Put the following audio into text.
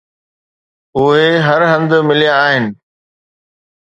اهي هر هنڌ مليا آهن